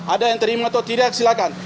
ada yang terima atau tidak silakan